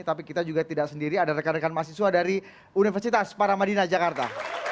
tapi kita juga tidak sendiri ada rekan rekan mahasiswa dari universitas paramadina jakarta